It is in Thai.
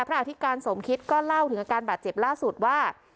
อธิการสมคิดก็เล่าถึงอาการบาดเจ็บล่าสุดว่า